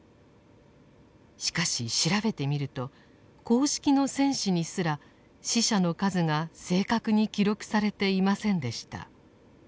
しかし調べてみると公式の戦史にすら死者の数が正確に記録されていませんでした。